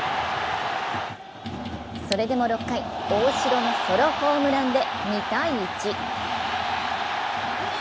それでも６回、大城のソロホームランで２−１。